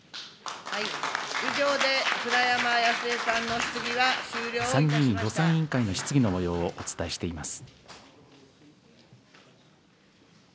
以上で舟山康江さんの質疑は参議院予算委員会の質疑のもようをお伝えしています。